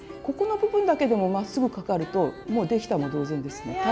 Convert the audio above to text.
ここの部分だけでもまっすぐかかるともう出来たも同然ですね。